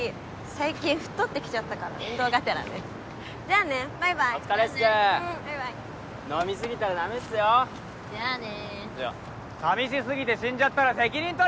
最近太ってきちゃったから運動がてらねじゃあねバイバイお疲れっすバイバイ飲みすぎたらダメっすよじゃあねじゃあさみしすぎて死んじゃったら責任取れよ！